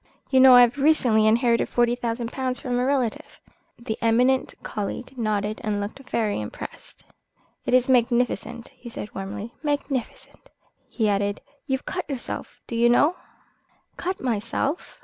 You know I have recently inherited forty thousand pounds from a relative?" The eminent colleague nodded and looked very impressed. "It is magnificent," he said warmly, "magnificent." He added: "You've cut yourself, do you know?" "Cut myself?"